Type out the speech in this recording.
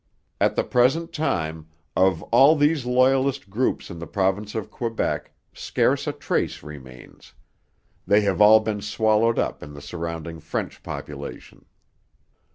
At the present time, of all these Loyalist groups in the province of Quebec scarce a trace remains: they have all been swallowed up in the surrounding French population.